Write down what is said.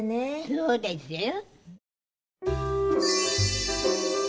そうですよ。